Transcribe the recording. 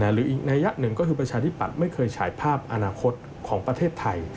หรืออีกนัยยะหนึ่งก็คือประชาธิปัตย์ไม่เคยฉายภาพอนาคตของประเทศไทย